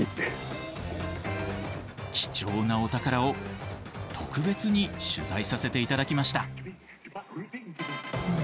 貴重なお宝を特別に取材させて頂きました。